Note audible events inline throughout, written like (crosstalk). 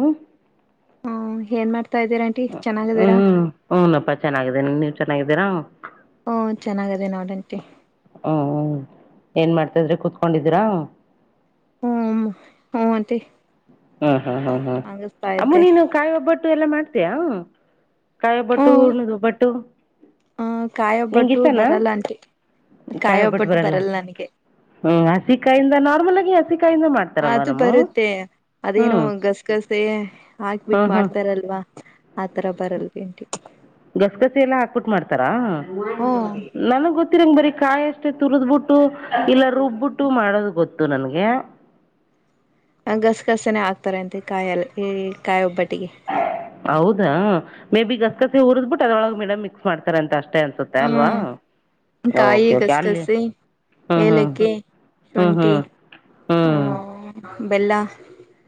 ಹ ಹ್ಮ್ ಏನ್ ಮಾಡ್ತಾ ಇದೀರಾಂಟಿ ಚೆನ್ನಾಗದೀರಾ ಹ್ನಪ್ಪಾ ಚೆನ್ನಿದ್ದೇ ನೀವು ಚೆನ್ನಾಗಿದ್ದೀರಾ ಹಓ ಚೆನ್ನಾಗಿದೆ ನೋಡಂಟಿ ಹ್ಮ್ ಹ್ಮ್ ಏನ್ ಮಾಡ್ತ ಇದ್ರೆ ಕುೂತ್ಕೊಂಡಿದೀರಾ ಹ್ಮ ಹ್ಮ ಹ್ಮ್ ಹ್ಮ್ ಹ್ಮ್ ಹ್ಮ್ ಅಮ್ಮ ಇದ್ದೆ ನೀನು ಕಾಯಿ ಒಬ್ಬಟ್ಟು ಎಲ್ಲ ಮಾಡ್ತೀಯಾ ಕಾಯಿ ಒಬ್ಬಟ್ಟು ಹುಣದ ಒಬ್ಬಟ್ಟು ಆಹ ನಿಂಗ ಕಾಯೊಬ್ಬಟ್ಟು ಇಷ್ಟನಾ ಬರಲ್ಲ ಆಂಟಿ ಕಾಯ ಒಬ್ಬಟ್ಟು ಬರಲ್ಲ ನನಗೆ ಹ್ಮ್ ಹಸಿಕಾಯಿಂದ ನಾರ್ಮಲ್ ಆಗಿ ಹಸಿಕಾಯಿಂದ ಮಾಡ ಅದು ಬರುತ್ತೆ ಅದೇನೋ ಗಸಗಸೆ ಹಾಕ್ಬಿಟ್ಟ ಹ್ಮ್ ಹ್ಮ್ ಮಾಡ್ತಾರಲ್ವಾ ಆತರ ಬರಲ್ ಭೇಟಿ ಗಸಗಸಿ ಎಲ್ಲಾ ಹಾಕ್ಬಿಟ್ ಮಾಡ್ತಾರಾ ಹ್ಮ್ ನನ್ಗ್ ಗೊತ್ತಿರಂಗ ಬರೀ ಕಾಯಿ ಅಷ್ಟೇ ತುರ್ದ್ಬಿಟ್ಟು ಇಲ್ಲ ರುಬ್ಬಿಟ್ಟು ಮಾಡೋದು ಗೊತ್ತು ನನ್ಗೆ ಗಸಗಸನೇ ಆಗ್ತಾರೆ ಅಂತೆ ಕಾಯಲ್ಲಿ ಕಾಯಿ ಒಬ್ಬಟ್ಟಿಗೆ ಹೌದಾ ಮೇ ಬಿ ಗಸಗಸಿ ಉರ್ದ್ಬಿಟ್ಟುದೊಳಗೆ ಮೇಡಮ್ ಮಿಕ್ಸ್ ಮಾಡ್ತಾರ ಅಂತ ಅಷ್ಟೇ ಅನ್ಸುತ್ತೆ ಅಲ್ವಾ ಹ್ಮ್ ಕಾಯಿ ಓಕೆ ಓಕೆ ಅಲ್ಲಿ ಗಸಗಸಿ ಹ್ಞೂ ಏಲಕ್ಕಿ ಹ್ಞೂ ಹ್ಞೂ ಶುಂಠಿ ಹ್ಞೂ ಹ ಹ್ಞೂ ಬೆಲ್ಲ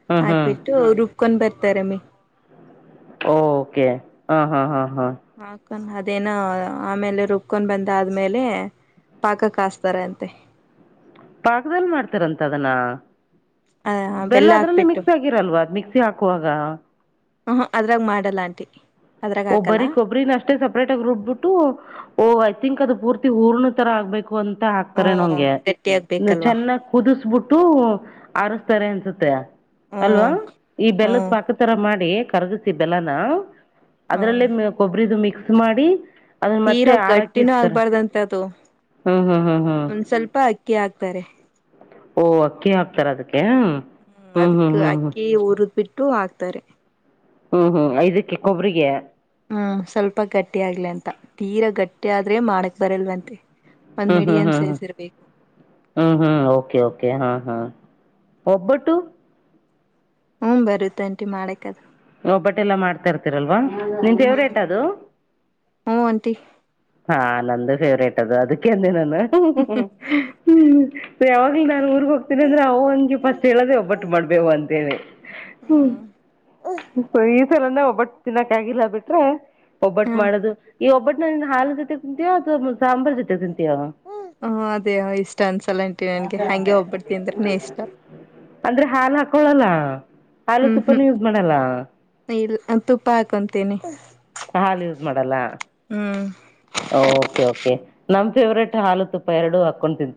ಹ್ಞೂ ಹ್ಞೂ ಹಾಕ್ಬಿಟ್ಟು ರುಬ್ಕೊಂಡ್ ಬರ್ತಾರಮ್ಮಿ ಓಕೆ ಹ ಹಾ ಹಾ ಹಾ ಹಾಕೊಂಡ್ ಅದೇನ ಆಮೇಲೆ ರುಬ್ಕೊಂಡ್ ಬಂದ ಆದ್ಮೇಲೆ ಪಾಕ ಕಾಸ್ತಾರ ಅಂತೆ ಪಾಕ್ದಲ್ಲಿ ಮಾಡ್ತರಂತ ಅದನ್ನ ಆ ಬೆಲ್ಲ ಅದ್ರಲ್ಲಿ ಹಾಕ್ಬಿಟ್ಟು ಮಿಕ್ಸ್ ಆಗ ಹಗಿರಲ್ವ ಅ್ ಮಿಕ್ಸಿ ಹಾಕುವಾಗ ಹ ಅದ್ರಾಗ ಮಾಡಲ್ಲ ಆಂಟಿ ಅದ್ರಾಗ ಹಾಕಲ್ಲ ಒಬ್ಬರಿ ಕೊಬ್ಬರಿನ ಅಷ್ಟೇ ಸಪ್ರೇಟ್ ಆಗಿ ರುಬ್ಬಿಟ್ಟು ಓ ಐ ತಿಂಕ್ ಅದು ಪೂರ್ತಿ ಊರ್ನ ತರ ಆಗ್ಬೇಕು ಅಂತ ಹಾಕ್ತಾರೆ ಹ್ಮ ನಂಗೆ ಗಟ್ಟಿ ಆಗ್ಬೇಕಲ್ವಾ ಚೆನ್ನಾಗ್ ಕುದಿಸಬಿಟ್ಟು ಹ್ಮ್ ಆರಸ್ತಾರೆ ಅನ್ಸುತ್ತೆ ಅಲ್ವಾ ಹ್ಮ್ ಈ ಬೆಲ್ಲದ ಪಾಕ ತರ ಮಾಡಿ ಕರ್ಗಸಿ ಬೆಲ್ಲನ ಹ್ಮ್ ಅದ್ರಲ್ಲೇ ಕೊಬ್ಬರದುು ಮಿಕ್ಸ್ ಮಾಡಿ ಅದನ್ನು ಮತ್ತೆ ತೀರಾ ಆರಕ್ಕೆ ಗಟ್ಟಿನೂ ಇಡ್ತಾರೆ ಆಗ್ಬಾರ್ದಂತ ಅದು ಹ್ಞೂ ಹ್ಞೂ ಹ್ಞೂ ಹ್ಞೂ ಒಂದ್ ಸ್ವಲ್ಪ ಅಕ್ಕಿ ಆಾಕ್ತಾರೆ ಓಹ್ ಅಕ್ಕಿ ಹಾಕ್ತಾರ ಅದಕ್ಕೆ ಹ್ಮ್ ಹ್ಞೂ ಅದಕ್ ಹ್ಞೂ ಅಕ್ಕಿ ಹ್ಞೂ ಉರಿದ್ ಬಿಟ್ಟು ಹಾಕ್ತಾರೆ ಹ್ಮ್ ಹ್ಮ್ ಐದಕ್ಕೆಕ್ಕ ಕೊಬ್ರಿಗೆ ಹ್ಮ್ ಸ್ವಲ್ಪ ಗಟ್ಟಿ ಆಗ್ಲಿ ಅಂತ ತೀರಾ ಗಟ್ಟಿ ಆದ್ರೆ ಮಾಡಕ್ ಬರಲ್ವಂತೆ ಒಂದ್ ಹ್ಮ್ ಹ್ಮ್ ಮೀಡಿಯಂ ಹ್ಮ್ ಹ್ಮ ಸೈಜ್ ಇರ್ಬೇಕು ಹ್ಮ್ ಹ್ಮ್ ಓಕೆ ಓಕೆ ಹ ಹ ಒಬ್ಬಟ್ಟು ಹ್ಮ್ ಬರುತ್ತಂಟಿ ಮಾಡಕ್ ಅದು ಒಬ್ಬಟ್ಟೆಲ್ಲಾ ಮಾಡ್ತಾ ಇರ್ತಿರಲ್ವಾ ನಿನ್ ಫೇವ್ರೇಟ ಅದು ಹು ಆಂಟಿ ಹಾ ನಂದು ಫೇವ್ರೇಟ್ ಅದು ಅದಕ್ಕೆ ಅಂದೆ ನಾನು (unintelligible) ಹ್ಮ್ (unintelligible) ಹ್ಮ್ ಯಾವಾಗ್ಲು ನಾನು ಉ (unintelligible) ಹೋಗ್ತನ ಅಂದ್ರ ಅವ್ವಗೆ ಫಸ್ಟ್ ಹೇಳದೆ ಒಬ್ಬಟ್ಟು ಮಾಡ್ಬೇವ್ವ ಅಂತ ಹೇಳಿ ಹ್ಮ ಈ ಸಲನೆ ಒಬ್ಬಟ್ ತಿನಕ್ ಆಗಿಲ್ಲ ಬಿಟ್ರೆ ಒಬ್ಬಟ್ಟು ಮಾಡದು ಈ ಒಬ್ಬಟ್ಟನ ಹಾಲ್ (unintelligible) ತಿಂತಿಯೋ ಅತ್ವ ಸಾಂಬರ್ ಜೊತೆ ತಿಂತೀಯೋ ಹ ಅದೇ ಇಷ್ಟ ಅನ್ಸಲ್ಲಂಟಿ ನನ್ಗೆ ಹಂಗೆ ಒಬ್ಬಟ್ಟು ತಿಂದ್ರೆನೆ ಇಷ್ಟ ಅಂದ್ರೆ ಹಾಲು ಹಾಕಳೋಲ್ಲ ಹಾಲು ಹ್ಮ್ ತುಪ್ಪಾನ ಹ್ಮ್ ಯೂಸ್ ಮಾಡಲ್ಲ. ಇಲ್ಲ ತುಪ್ಪ ಹಾಕೊಂತೀನಿ. ಹಾಲು ಯೂಸ್ ಮಾಡಲ್ಲ? ಹ್ಮ್ (unintelligible) ಓಕೆ ಓಕೆ ನಮ್ ಫೇವ್ರೇಟ್ ಹಾಲು ತುಪ್ಪ ಎರಡು ಹಾಕೊಂಡು ತಿಂತ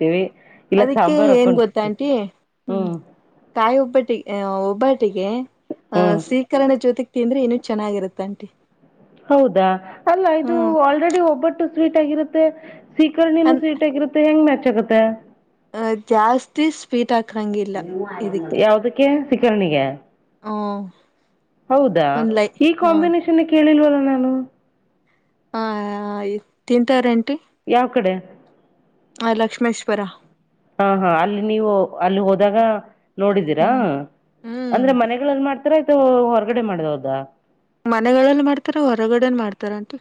ಅದಕ್ಕೆ ಏನ್ ಗೊತ್ತಾ ಅಂಟಿ ಹ್ಮ್ ಕಾಯಿ ಒಬ್ಬಟ್ಟಿಗೆ -ಒಬ್ಬಟ್ಟಿಗೆ ಅ ಹ್ಮ್ ಸೀ ಕರಣೇ ಜೋತಿಗೆ ತಿಂದ್ರೆ ಇನು ಚೆನ್ನಾಗಿರುತ್ತೆ ಅಂಟಿ ಹೌದಾ ಅಲ್ಲ ಇದು ಆಲ್ರೆಡಿ ಒಬ್ಬಟ್ಟು ಸ್ವೀಟ್ ಆಗಿರುತ್ತೆ ಸೀಕರಣೆನು ಸೀಟ್ ಆಗಿರುತ್ತೆ ಹೆಂಗ್ ಮ್ಯಾಚ್ ಆಗುತ್ತೆ ಅ ಜಾಸ್ತಿ ಸ್ಪೀಟ್ ಹಾಕಂಗಿಲ್ಲ ಇದಕ್ಕೆ. ಕೆ ಸಿಕರಣೆಗೆ ಹು ಹೌದಾ ಈ ಕಾಂಬಿನೇಷನ್ ಕೇಳಿಲ್ವಲ್ಲ ನಾನು. ಹಾ ತಿಂತಾರ ಆಂಟಿ. ಯಾವ ಕಡೆ? ಆ ಲಕ್ಷ್ಮೇಶ್ವರ. ಹಾ ಹಾ ಅಲ್ಲಿ ನೀವು ಅಲ್ಲಿ ಹೋದಾಗ ನೋಡಿದೀರಾ ಹ್ಮ್ ಹ್ಮ್ ಅಂದ್ರೆ ಮನೆಗಳಲ್ಲಿ ಮಾಡ್ತ ಹತ್ರ (unintelligible) ಹೊರಗಡೆ ಮಾಡಿದ್ ಹೌದ ಮನೆಗಳಲ್ಲಿ ಮಾಡ್ತಾರೆ ಹೊರಗಡೆನು ಮಾಡ್ತಾರೆ ಅಂಟಿ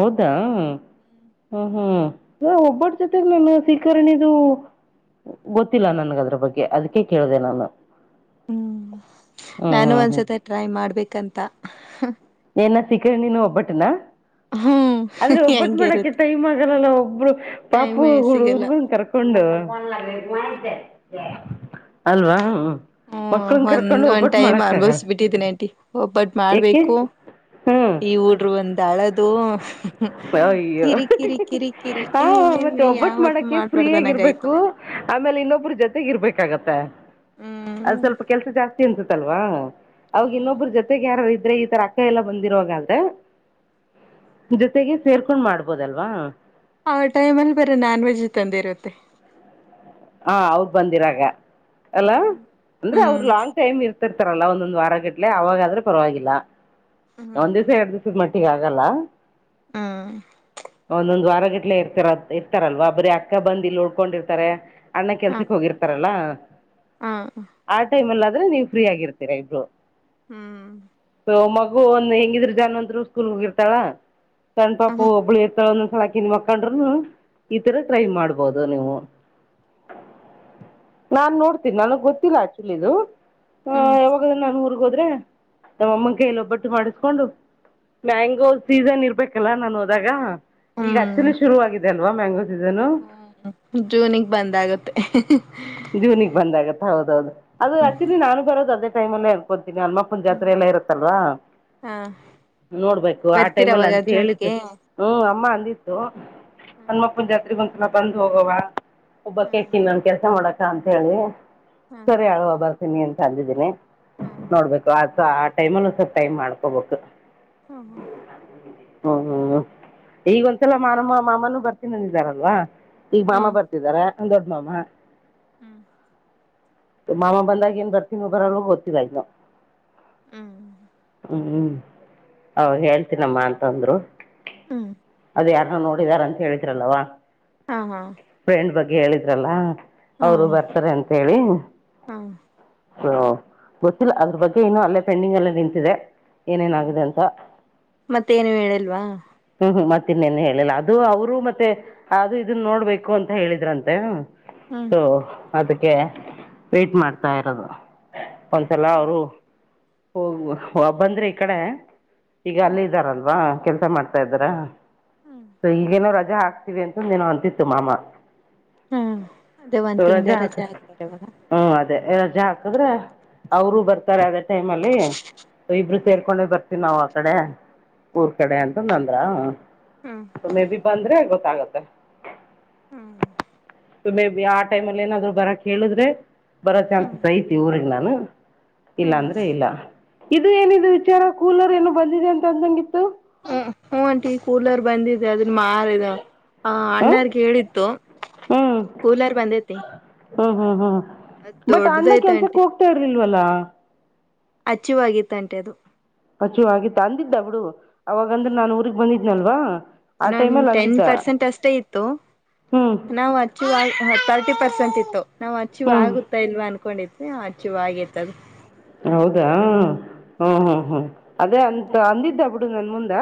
ಹೌದಾ ಹ್ಮ್ ಹ್ಮ್ ಒಬ್ಬಟ್ಟ ಜೊತೆಗ್ ನಾನ ಸೀಕರ್ಣಿದು. ಗೊತ್ತಿಲ್ಲ ನನಗೆ ಅದ್ರ ಬಗ್ಗೆ ಅದಕ್ಕೆ ಕೇಳಿದೆ ನಾನು. ಹ್ಮ್ ಹ್ಮ್ ನಾನು ಹ್ಮ್ ಹ್ಮ್ ಒಂದ್ಸತಿ ಟ್ರೈ ಮಾಡ್ಬೇಕಂತ ಏನ ಸಿಕ್ಕ ನೀನು ಒಬ್ಬಟ್ಟನ ಹ್ಮ್ ಆದ್ರೆ ಒಬ್ಬಟ್ಟು ಮಾಡಕ್ಕೆೆ ಹೆಂಗಿರುತ್ತೆ ಟೈಮ್ ಆಗಲ್ಲಲ್ಲ ಒಬ್ರು ಪಾಪು ಟೈಮೇ (unintelligible) ಸಿಗಲ್ಲ (unintelligible) ಕೊಂಡು (unintelligible) (unintelligible) ಅಲ್ವಾ ಮಕ್ಳನ್ ಹ್ಮ ಕರ್ಕೊಂಡು ಒಂದ್ ಒಂದ್ ಒಬ್ಬಟ್ಟು ಟೈಮ್ ಮಾಡಕ್ ಆಗಲ್ಲ ಅನ್ಭವಸಬಿಟ್ಟಿದ್ದೀನಿ ಅಂಟಿ ಒಬ್ಬಟ್ ಏಕೆ ಮಾಡ್ಬೇಕು ಹ್ಮ್ ಈ ಊಡ್ರು ಒಂದ ಅಳದು (unintelligible) ಕಿರಿ ಕಿರಿ ಕಿರಿ (unintelligible) ಹ ಮತ್ತೆ ಇಲ್ಲೇ ಒಬ್ಬಟ್ಟು ಯಾವತ್ ಮಾಡಕೆ ಫ್ರೀ ಮಾಡ್ಬಾರ್ದನಂಗಾಯ್ತು ಆಗಿರ್ಬೇಕು. ಆಮೇಲೆ ಇನ್ನೊಬ್ರ ಜೊತೆಗ ಇರ್ಬೇಕಾಗತ್ತೆ ಅದು ಹ್ಮ್ ಸ್ವಲ್ಪ ಕೆಲ್ಸ ಜಾಸ್ತಿ. (unintelligible) ತಲ್ವಾ ಅವಗ ಇನ್ನೊಬ್ರು ಜೊತೆಗೆ ಯಾರದ್ರು ಇದ್ರೆ ಈ ತರ ಆ ಕೈ ಎಲ್ಲ ಬಂದಿರುವಾಗಾದ್ರೆ ಜೊತೆಗೆ ಸೇರ್ಕೊಂಡ್ ಮಾಡ್ಬೋದಲ್ವಾ. ಆ ಟೈಮ ಅಲ್ಲಿ ಬರ ನಾನ್ ವೆಜ್ ತಂದೆ ಇರುತ್ತೆ ಹ ಅವ್ರ ಬಂದಿರಾಗ ಅಲ್ಲ ಹ್ಮ್ ಅಂದ್ರೆ ಅವ್ರ ಹ್ಮ್ ಲಾಂಗ್ ಟೈಮ್ ಇರ್ತ ರ್ತಾರಲ್ಲ ಒಂದೊಂದಂದು ವಾರ ಗಟ್ಲೆ ಅವಾಗಾದ್ರೂ ಪರವಾಗಿಲ್ಲ ಒಂದ್ ಹ್ಮ್ ದಿವಸ ಎಿವ ಮಟ್ಟಿಿಗೆ ಆಗಲ್ಲ ಹ್ಮ ಒಂದೊಂದ್ ವಾರ ಗಿಟ್ಲೆ ಇರ್ತಾರ ಇರ್ತಾರಲ್ವಾ ಬರೀ ಅಕ್ಕ ಬಂದ ಇಲ್ಲಿ ಉಡ್ಕೊಂಡಿರ್ತಾರೆ ಅಣ್ಣ ಹ ಕೆಲ್ಸಕ್ ಹೋಗಿರ್ತಾರಲ್ಲ ಹ (inaudible) ಆ ಟೈಮ್ ಅ ಆದ್ರೆ ನೀವು ಫ್ರೀ ಆಗಿರ್ತೀರ ಇಬ್ರು ಹ್ಮ್ ಮಗು ಒಂದ್ ಹೆಂಗಿದ್ರರು ಜನ್ ಅಂದ್ರು ಸ್ಕೂಲ್ ಹೋಗಿರ್ತಾಳ ಸಣ್ಣ ಪಾಪು ಹ್ಮ್ ಒಬ್ಳು ಎ ಳ ಒಂದೊಂದ್ಸಲಾಕಿನ್ ಮಕ್ಕಂಡ್ರರುನು ಈ ತರ ಕ್ರೈಮ ಮಾಡ್ಬಹದು ನೀವು ನಾನ್ ನೋಡ್ತೀನಿ ನನಗ್ ಗೊತ್ತಿಲ್ಲ ಆಕ್ಚುಲಿಿದದು ಹ ಹ್ಮ್ ಯಾವಾಗ ನಾನ್ ಊರ್ಗ್ೋದ್ರೆ ನಮ್ಮಅಮ್ಮನ ಕೈಯಲ್ಲಿ ಒಬ್ಬಟ್ಟು ಮಾಡಿಸ್ಕೊಂಡು ಮ್ಯಾಂಗೋವ್ ಸೀಸನ್ ಇರ್ಬೇಕಲ್ಲಾ ನಾನು ಹೋದಾಗ ಈಗ ಹಚ್ಚಲು ಹ್ಮ್ ಶುರುವ ಆಾಗಿದೆ ಅಲ್ವಾ ಮ್ಯಾಂಗೋ ಸೀಸನು ಜೂನಿಗೆ ಒಂದಾಗುತ್ತೆ ಜೀವನಿಗೆ ಬಂದಾಗತ್ತ ಹೌದ ಹೌದು ಅದು ಆಕ್ಚುಲಿ ನಾನು ಬರೋ ಅದೇ ಟೈಮ ಅಲ್ಲೇ ಅನ್ಕೊತೀನಿ ಅಲ್ಮ್ಮ ಅಪ್ಪನ ಜಾತ್ರೆ ಎಲ್ಲ ಇರುತ್ತಲ್ವಾ ಹಾ ನೋಡ್ಬೇಕು ಆ ಟೈಮ್ಲ್ಲಿ ಬರ್ತೀರವಾಗ ಅಂತ ಹೇಳತ್ತು ಜೂನಿಗೆ ಹ್ಮ್ ಅಮ್ಮ ಅಂದಿತ್ತು ಹ್ಮ್ ಹಣಮಪ್ಪನ್ ಜಾತ್ರೆಗ ಒಂದ್ಸಲ ಬಂದು್ ಹೋಗವ ಒಬ್ಬಕಕ ಹ್ಮ್ ಇನ್ನೊಂದ ಕೆಲ್ಸ ಮಾಡಕ ಅಂತ ಹೇಳಿ ಹ್ಮ್ ಸರಿ ಅಳ್ವಾ ಬರ್ತ ನೀನ್ ತಂದಿದ್ದೀನಿ ಹಾ ನೋಡ್ಬೇಕು ಆ ಆ ಟೈಮಲ್ಲ ಸ್ ಟೈಮ್ ಮಾಡ್ಕೋಬೇಕು ಹಾ ಹಾ ಹ್ಮ್ ಹ್ಮ್ ಈಗ ಒಂದ್ಸಲ ಮಾನಮ್ಮ ಮಾಮನೂ ಬರ್ತೀನಂದ ಇದಿದಾರಲ್ವಾ ಈಗ ಮಾಮ ಬರ್ತಿದಾರ ಒಂದು ದೊಡ್ಡ ಮಾಮ ಹ್ಮ್ ಮಾಮ ಬಂದಾಗ ಏನ್ ಬರ್ತೀಿ ಬರಳಗ ಗೊತ್ತಿಲ್ಲ ಇನ್ನು ಹ್ಮ್ ಹ್ಮ್ ಅವ ಹೇಳ್ತನಮ್ಮ ಅಂತಂದ್ರು ಹಾ ಯಾರನ್ನ ನೋಡಿದಾರ ಅಂತ ಹೇಳಿದ್ರಲ್ಲಲ್ವಾ ಹಾ ಹಾ ಫ್ರೆಂಡ್ ಬಗ್ಗೆ ಹೇಳಿದ್ರಲ್ಲ ಅವರು ಬರ್ತಾರೆ ಅಂತ ಹೇಳಿ ಹಾ ಹ ಗೊತ್ತಿಲ್ಲ ಅದ್ರ ಬಗ್ಗೆ ಏನು ಅಲ್ಲೇ ಪೆಂಡಿಂಗ್ ಎಲ್ಲ ನಿಂತಿದೆ ಹಾ ಏನೇನಾಗಿದೆ ಅಂತ ಮತ್ತೇನು ಹೇಳಿಲ್ವಾ ಹ್ಮ್ ಹ್ಮ್ ಮತ್ತ ಇನ್ನೆನ್ ಹೇಳಿಲ್ಲ ಅದು ಅವರು ಮತ್ತೆ ಅದು ಇದನ್ನ ನೋಡ್ಬೇಕು ಅಂತ ಹೇಳಿದ್ರಂತೆ ಹ್ಮ್ ಸೊ ಅದಕ್ಕೆ ವೀಟ್ ಮಾಡ್ತಾ ಇರೋದು ಒಂದ್ಸಲ ಹ್ಮ್ ಅವರು ಹೋಗ ಬಂದ್ರಿ ಈ ಕಡೆ ಈಗ ಹ್ಮ್ ಅಲ್ಲ ಇದ್ದಾರಲ್ವಾ ಕೆಲ್ಸ ಮಾಡ್ತಾ ಇದ್ದಾರ ಹ್ಮ್ ಸೊ ಈಗೇನೋ ರಜೆ ಹಾಕ್ತಿೀವಿ ಅಂತ ನೀನು ಅಂತಿತ್ತು ಮಾಮ ಹ್ಮ ಅದೇ ಒಂದ್ ಸೊ ತಿಂಗ್ ರಜೆ ಹಾಕಿ ಆರ್ತಾರೆವಾಗ ಹ್ಮ್ ಅದೇ ರಜಾ ಹಾಕದ್ರೆ ಅವರು ಬರ್ತಾರೆ ಅದ ಟೈಮ್ ಅಲ್ಲಿೊ ಇಬ್ರು ಸೇರ್ಕೊಂಡೆ ಬರ್ತಾರೆ ನಾವ್ ಆ ಕಡೆ ಊರ್ ಕಡೆ ಅಂತಂದ ಅಂದ್ರ ಹಾ ಮೇ ಬಿ ಬಂದ್ರೆ ಗೊತ್ತಾಗತ್ತೆ ಹ್ಮ್ ಮೇ ಬಿಿ ಆ ಟೈಮ್ ಅಲ್ಲಿ ಏನಾದ್ರು ಬರ ಕೇಳಿದ್ರೆ ಬರೋ ಹ್ಮ್ ಚಾನ್ಸಸ್ ಐತಿ ಊ್ರಗ್ ನಾನು ಇಲ್ಲ ಹ್ಮ್ ಅಂದ್ರೆ ಇಲ್ಲ ಇದು ಏನಿದ ವಿಚಾರ ಕೂಲರ್ ಏನು ಬಂದಿದೆ ಅಂತ ಅಂದಂಗಿತ್ತು ಹ್ಮ ಹ ಅಂಟಿ ಕೂಲರ್ ಬಂದಿದ್ದ ಅ ಅದನ್ನ ಮಾರ ಅ ಹಾಂ ಅಣ್ಣಾರ್ಗೆ ಹೇಳಿತ್ತು ಕೂಲರ್ ಬಂದೈತಿ ಹ್ಮ್ ಹ್ಮ್ ಹ್ಮ್ ಅದ್ ಬಟ್ ಅಣ್ಣ ದೊಡ್ಡದೈತೆ ಕೆನ್ಸಕ್ ಆಂಟಿ ಹೋಗ್ತಾ ಇರ್ಲಿಲ್ವಲ್ಲಾ ಅಚ್ಚಿವಾಗಿತ್ತಂಟೆ ಅದು ಪಚು ಆಗಿತ್ತು ಅಂದಿದ್ದ ಅವಳ ಅವಾಗಂದ್ರೆ ನಾನ್ ಊಗ್ ಬಂದಿದ್ನಲ್ವಾ ಆ ಇನ್ನೊಂದು ಟೈಮಲ್ಲಿ ಟೆನ್ ಅಂದಿದ್ದ ಪರ್ಸೆಂಟ್ ಅಷ್ಟೇ ಇತ್ತು ಹ್ಞೂ ನಾವು ಅಚ್ಚ ತರ್ಟಿ ಪರ್ಸೆಂಟ್ ಇತ್ತು ನಾವು ಅಚ್ಚಿವ್ ಹ್ಞೂ ಆಗುತ್ತಾ ಇಲ್ವಾ ಅನ್ಕೊಂಡಿದ್ವಿ ಅಚ್ಚಿವ್ ಆಗಿತ ಅದು ಹೌದಾ ಹಾ ಹ್ಮ್ ಹ್ಮ್ ಅದೇ ಅಂತ ಅಂದಿದ್ದ ಬಿಡು ನನ್ ಮುಂದ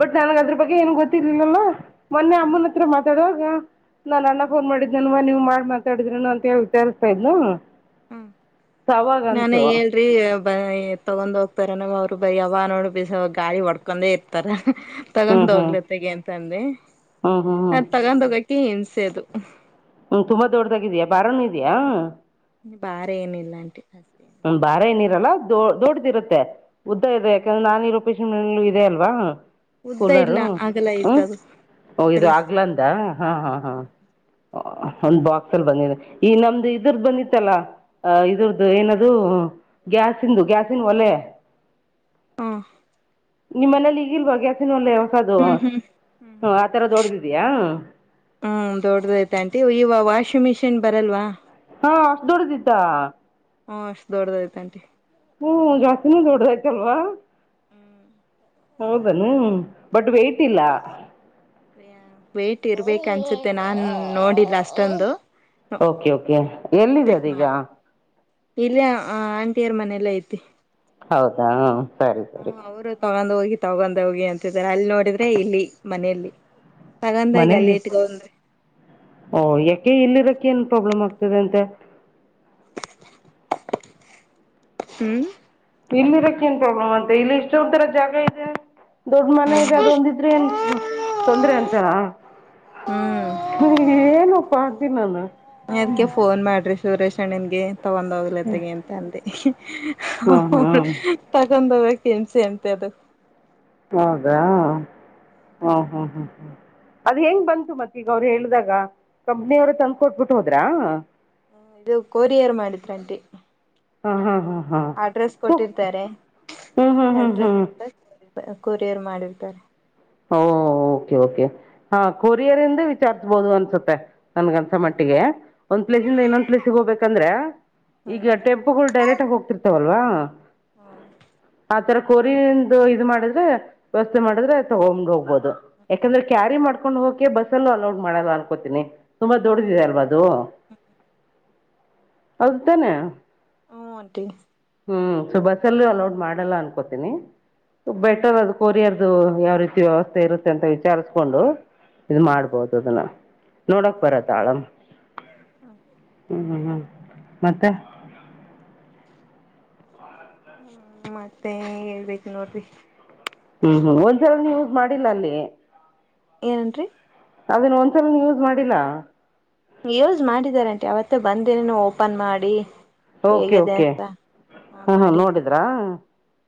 ಬಟ್ ನನ್ಗ್ ಅದ್ರ ಬಗ್ಗೆ ಏನು ಗೊತ್ತಿರ್ಲಿಲ್ಲಲ್ಲ ಮೊನ್ನೆ ಅಮ್ಮನ ಹತ್ರ ಮಾತಾಡುವಾಗ ನಾನ್ ಅಣ್ಣ ಫೋನ್ ಮಾಡಿದ್ನ್ವ ನೀವು ಮಾಡ್ ಮಾತಾಡಿದ್ರನು ಅಂತ ಹೇಳಿ ವಿಚಾರಿಸ್ತಾ ಇದ್ ಹ್ಮ ನಾನೇ ಹಳ್ ೀ ತಗೊಂಡ್ ಹೋಗ್ತಾರ ನ ಅವ್ರು ಬೈಯವ ನೋಡ ಬ ಗಾಳಿ ಒಡ್ಕೊಂಡೆ ಇರ್ತಾರ ಹ್ಞೂ ತಗೊಂಡ ಹ್ಞೂ ಹೋಗ್ಲತ್ತಗೆ ಅಂತ ಅಂದೆ ಹ್ಞೂ ಹ್ಞೂ ಹ್ಞೂ ಅದ ತಗೊಂಡ ಹೋಗಕೆ ಇನ್ಸೆದು ಹ್ಮ ತುಂಬಾ ದೊಡ್ಡದಾಗ ಇದೀ್ಯಾಾ ಬಾರಾನ ಇದ್ಯಾ ಬಾರೆ ಏನಿಲ್ಲ ಆಂಟಿ ಅಷ್ಟೇನು ್ಮ ಭಾರ ಇಲ್ಲ ಬಾರ ನೀರಲ್ಲ ದ ದೊಡ್ಡ್ದಿರುತ್ತೆ ಉದ್ದ ಇ ಹ್ಮ್ ಯಾಕೆಂದ್ರೆ ನಾನ ನೀರು ಷಗಳು ಇದೆ ಅಲ್ವಾ ಉದ್ದ ಇಲ್ಲ ಕೂಲರು ಆಗಲ್ಲ ಇತ್ತದು ಹ ಇದು ಆಗಲ್ಲ ಆಗ್ಲಂದ ಹಾ ಹಾ ಹಾ ಒಂದ್ ಬಾಕ್ಸ್ ಅಲ್ಲಿ ಬಂದಿದೆ ಈ ನಮ್ದು ಇದ್ರದ ಬಂದಿತ್ತಲ್ಲಾ ಇದ್ರ್ದು ಏನಾದ ಗ್ಯಾಸ್ಂದು ಗ್ಯಾಾಸ ಇನ್ ಒಲೆ ಹಾ ನಿಮ್ಮನಲ್ಲಿ ಈಗಿಲ್ವ ಗ್ಯಾಸಿನ ಒಲ್ಲ ಹೊಸದು ಹ್ಮ್ ಹ್ಮ್ ಹ ಆತರ ದೊಡ್ದಿದ್ಯಾಾ ಹ್ಮ್ ದೊಡ್ಡದೈತ ಆಂಟಿ ಇವ ವಾಷಿಂಗ್ ಮಿಷಿನ್ ಬರಲ್ವಾ ಹಾ ಅಷ್ಟ ದೊಡ್ಡದಿದ್ದ ಹ್ಮ್ ಅಷ್ಟ ದೊಡ್ಡದಾಯ್ತಂಟಿ ಹ್ಮ ಜಾಸ್ತಿನೂ ದೊಡ್ಡ್ದಾಯ್ತಲ್ವಾ ಹ್ಮ್ ಹೌದನು ಬಟ್ ವೇಯ್ಟ್ ಇಲ್ಲ ಅ ವೇಟ್ ಇರ್ಬೇಕ ಅನ್ಸುತ್ತೆ ನಾನ್ ನೋಡಿಲ್ಲ ಅಷ್ಟೊಂದು ಓಕೆ ಓಕೆ ಎಲ್ಲಿ ಚೆಕ್ ಇರದು ಈಗ ಮಾಡಿ ಇಲ್ಲ ಆಂಟಿಯರ ಮನೆ ಎಲ್ಲ ಐತಿ ಹೌದಾ ಸರಿ ಸರಿ ಹ್ಮ ಅವ್ರು ತಗೊಂಡ್ ಹೋಗಿ ತಗೊಂಡ್ ಹೋಗಿ ಅಂತಾರೆ ಅಲ್ಲಿ ನೋಡಿದ್ರೆ ಇಲ್ಲಿ ಮನೆಯಲ್ಲಿ ತಗಂದ ಈಗ ಮನೇಲಿ ಲೇಟ್ಗ ಅಂದ್ರೆ ಓ ಯಾಕೆ ಇಲ್ಲಿರಕ ಏನ್ ಪ್ರಾಬ್ಲಮ್ ಆಗ್ತದೆ ಅಂತೆ ಹ್ಮ್ ಇಲ್ಲಿ ಇರಕ್ ಏನ್ ಪ್ರಾಬ್ಲಮ್ ಅಂತೆ ಇಲ್ಲಿ ಇಷ್ಟೊ ಒಂ ತರ ಜಾಗ ಇದೆ ದೊಡ್ಡ ಮನೆ ಇದೆ ಅದೊಂದ ದ್ರೆ ತೊಂದ್ರೆ ಅಂತ ಹ್ಮ್ ಏನುಪ್ಪ ಅತೀಿ ನಾನು (unintelligible) ಅದ್ಕ್ಕೆ ಫೋನ್ ಮಾಡ್ರಿ ಸುರೇಶಣ್ಣನ್ಗೆ ತಗೊಂಡ ಹೋಗ್ಲತೆಗ ಅಂತ ಅಂದ ಹ್ಮ್ ಹ್ಮ್ ತಗೊಂಡೋಗೋ ಹಿಂಸೆ ಅಂತ ಅದು ಹೌದಾ ಹಾ ಹಾ ಅದ್ ಹೆಂಗ್ ಬಂತು ಮತ್ ಈಗ ಅವ್ರು ಹೇಳಿದಾಗ ಕಂಪ್ನಿಯವ್ರ ತಂದ್ ಕೊಟ್ಬಿಟ್ಟು ಹೋದ್ರಾ. ಇದು ಕೋರಿಯರ್ ಮಾಡಿದ್ರು ಆಂಟಿ. ಹಾ ಹಾ ಹಾ ಹಾ ಅಡ್ರೆಸ್ ಸುಕ್ ಕೊಟ್ಟಿರ್ತಾರೆ ಹ್ಮ್ ಹ್ಮ್ ಹ್ಮ್ ಅಡ್ರೆಸ್ ಹ್ಮ್ ಕೊಡ್ತಾ ಕೊರಿಯರ್ ಮಾಡಿರ್ತಾರೆ. ಓ ಓಕೆ ಓಕೆ ಹಾ ಕೊರಿಯರಿಂದ ವಿಚಾರ್ಸ್ಬೋದು ಅನ್ಸುತ್ತೆ. ನನಗೆ ಹ್ಮ ಅನ್ನಿಸೋಮಟ್ಟಿಗೆ ಒಂದ್ ಪ್ಲೇಸಯಿಂದ ಇನ್ನೊಂದ್ ಪ್ಲೇಸ್ಗೆ ಹೋಗಬೇಕಂದ್ರೆ. ಹ್ಮ್ ಈಗ ಟೆಂಪೋಗಳು ಡೈರೆಕ್ಟ್ ಆಗಿ ಹೋಗ್ತಿರ್ತಾವಲ್ವಾ. (inaudible) ಆತರ ಕೊರಿಯಂದು ಇದು ಮಾಡಿದ್ರೆ ವ್ಯವಸ್ಥೆ ಮಾಡಿದ್ರೆ ತಗೊಂಡು ಹೋಗ್ಬೋದು. ಯಾಕಂದ್ರೆ ಕ್ಯಾರಿ ಮಾಡ್ಕೊಂಡ್ ಹೋಗಕೆ ಬಸ್ಸಲ್ಲೂ ಅಲೌಡ್ ಮಾಡಲ ಅನ್ಕೋತೀನಿ. ತುಂಬಾ ದೊಡ್ಡದಿದೆ ಹ್ಮ್ ಅಲ್ವಾ ಅದು ಹೌದುತಾನೆ ಹು ಆಂಟಿ. ಹ್ಮ್ ಸೊ ಬಸ್ಸಲ್ಲೂ ಅಲೌಡ್ ಮಾಡಲ್ಲ ಅನ್ಕೋತೀನಿ. ಬೆಟರ್ ಅದು ಕೋರಿಯರ್ದು ಯಾವ ರೀತಿ ವ್ಯವಸ್ಥೆ ಇರುತ್ತೆ ಅಂತ ವಿಚಾರೀಸ್ಕೊಂಡು. ಇದು ಹ್ಮ್ ಮಾಡ್ಬೋದು ಅದನ್ನ ನೋಡಕ್ ಬರುತ್ತೆ ಹ್ಮ್ (unintelligible) ಹ್ಮ್ ಹ್ಮ್ ಮತ್ತೆ ಹ್ಮ ಮತ್ತೆ ಹೇಳ್ಬೇಕು ನೋಡ್ರಿ. ಹ್ಮ್ ಹ್ಮ್ ಒಂದ್ಸಲ ನೀವು ಯೂಸ್ ಮಾಡಿಲ್ಲ ಅಲ್ಲಿ. ಏನ್ರಿ ಅದನ್ನ ಒಂದ್ಸನು ಯೂಸ್ ಮಾಡಿಲ್ಲಾ. ಯೂಸ್ ಮಾಡಿದ್ದಾರೆ ಆಂಟಿ ಅವತ್ತೇ ಬಂದಿ ದಿನನೇ ಓಪನ್ ಮಾಡಿ. ಓಕೆ ಹೇಗಿದೆ ಓಕೆ ಅಂತ ಆನ್ ಹಾ ಹಾ ಮಾಡಿ. ನೋಡಿದ್ರಾ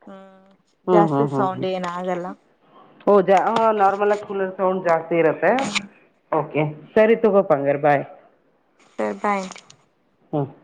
ಹ್ಮ್ ಹ್ಮ್ ಜಾಸ್ತಿ ಹ್ಮ್ ಹ್ಮ್ ಸೌಂಡ್ ಹ್ಮ್ ಏನ್ ಆಗಲ್ಲ. ಓ ಹೌದ ನಾರ್ಮಲ್ ಆಗ ಕೂಲರ್ ಸೌಂಡ್ ಜಾಸ್ತಿ ಇರತ್ತೆ. ಹ್ಮ್ ಓಕೆ ಸರಿ ತಕೊಪ್ಪ ಹಂಗಾರೆ ಬಾಯ್ ಬಾಯ್ ಆಂಟಿ. ಹ್ಮ